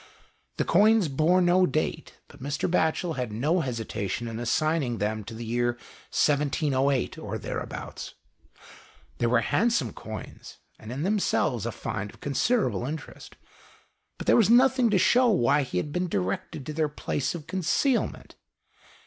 The coins bore no date, but "Mr. Batchel had no hesitation in assigning them to the year 1708 or thereabouts. They were handsome coins, and in themselves a find of considerable interest, but there was nothing to show why he had been directed to their place of concealment.